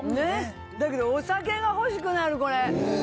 だけどお酒が欲しくなるこれ。